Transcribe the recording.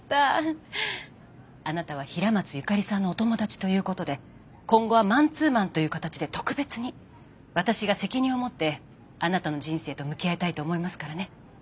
あなたは平松由香利さんのお友達ということで今後はマンツーマンという形で特別に私が責任を持ってあなたの人生と向き合いたいと思いますからね。